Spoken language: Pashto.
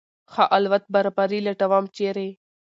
ښه الوت برابري لټوم ، چېرې ؟